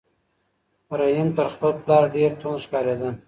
رحیم تر خپل پلار ډېر توند ښکارېده.